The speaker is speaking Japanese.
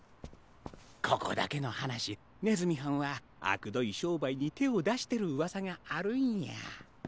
ここだけのはなしねずみはんはあくどいしょうばいにてをだしてるうわさがあるんや。